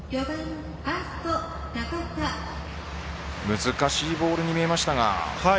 難しいボールに見えましたが。